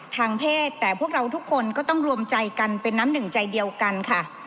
ทางเพศแต่พวกเราทุกคนก็ต้องรวมใจกันเป็นน้ำหนึ่งใจเดียวกันค่ะ